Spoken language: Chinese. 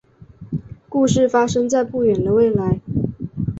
故事发生在不远的未来。